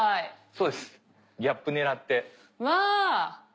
そうですギャップ狙って。わ！